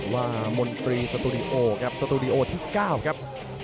มนตรีสตูดิโอครับสตูดิโอที่๙ครับ